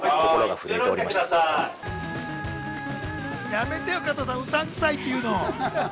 やめてよ、加藤さん、うさんくさいって言うの。